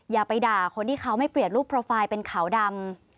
อย่าไปด่าคนที่เขาไม่เปลี่ยนรูปโปรไฟล์เป็นขาวดำ